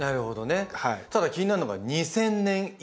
ただ気になるのが２０００年以前それは。